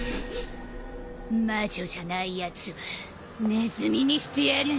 魔女じゃないやつはネズミにしてやる！